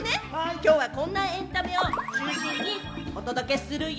今日はこんなエンタメを中心にお届けするよ。